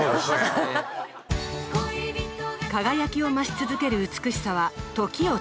輝きを増し続ける美しさは時を超越。